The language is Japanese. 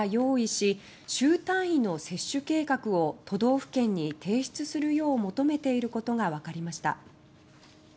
週単位の接種計画を都道府県に提出するよう求めていることがわかりました。